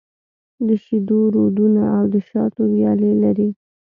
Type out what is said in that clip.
د شېدو رودونه او د شاتو ويالې لري.